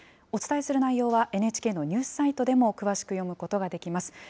お伝えする内容は、ＮＨＫのニュースサイトでも詳しく読むことができます。